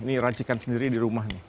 ini racikan sendiri di rumah nih